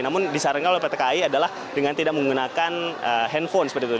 namun disarankan oleh pt kai adalah dengan tidak menggunakan handphone seperti itu